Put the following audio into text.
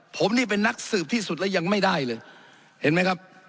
ผมนี่เป็นนักสืบที่สุดแล้วยังไม่ได้เลยเห็นไหมครับ